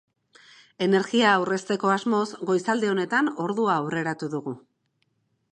Energia aurrezteko asmoz, goizalde honetan ordua aurreratu dugu.